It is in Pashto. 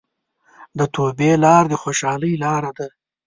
د توبې لار د خوشحالۍ لاره ده.